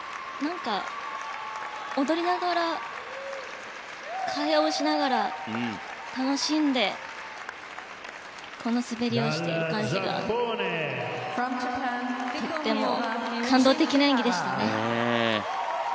踊りながら、会話をしながら楽しんで滑りをしている感じがとても感動的な演技でした。